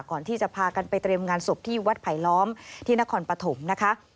ก่อนที่จะพากันไปเตรียมงานศพที่วัดไผลล้อมที่นครปฐมนะคะ